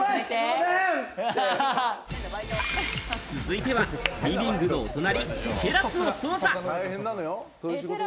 続いては、リビングのお隣テラスを捜査。